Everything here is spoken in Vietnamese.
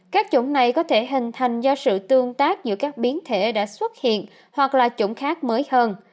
các chủng này có thể hình thành do sự tương tác giữa các biến thể đã xuất hiện hoặc là chủng khác mới hơn